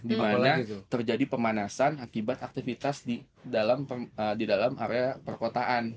di mana terjadi pemanasan akibat aktivitas di dalam area perkotaan